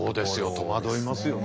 戸惑いますよね。